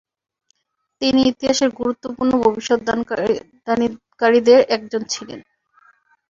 তিনি ইতিহাসের গুরুত্বপূর্ণ ভবিষ্যদ্বাণীকারীদের একজন ছিলেন।